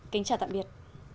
kính chào tạm biệt